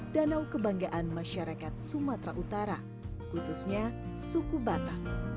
danau kebanggaan masyarakat sumatera utara khususnya suku batak